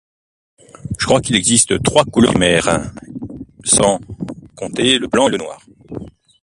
je crois qu'il existe trois couleur mères sans compter le blanc et le noir